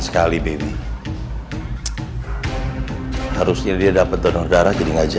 kamu dapat kebaikan